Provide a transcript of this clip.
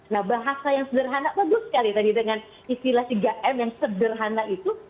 nah bahasa yang sederhana bagus sekali tadi dengan istilah tiga m yang sederhana itu